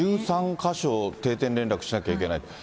１３か所、定点連絡しなきゃいけない。